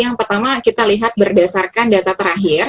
yang pertama kita lihat berdasarkan data terakhir